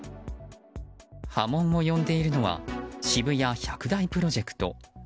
波紋を呼んでいるのは渋谷１００台プロジェクト。